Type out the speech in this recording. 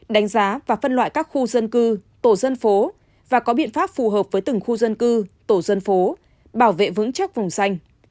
đánh giá và phân loại các khu dân cư tổ dân phố và có biện pháp phù hợp với từng khu dân cư tổ dân phố bảo vệ vững chắc vùng xanh